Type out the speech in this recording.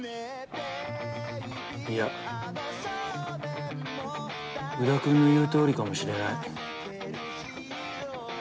いや宇田くんの言うとおりかもしれない。